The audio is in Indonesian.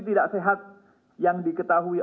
tidak sehat yang diketahui